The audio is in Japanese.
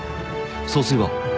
総帥は？